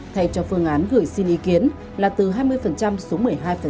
thay cho phương án gửi xin ý kiến là từ hai mươi xuống một mươi hai